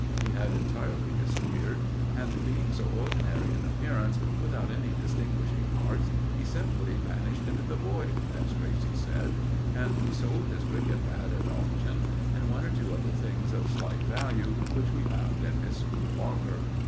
He had entirely disappeared, and being so ordinary in appearance, without any distinguishing marks, he simply "vanished into the void," as Tracey said, and we sold his cricket bat at auction, and one or two other things of slight value which we found in his school locker.